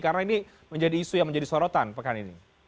karena ini menjadi isu yang menjadi sorotan pekan ini